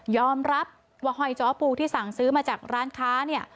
อมรับว่าห้อยจ้อปูที่สั่งซื้อมาจากร้านค้าเนี่ย